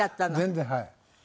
全然はい。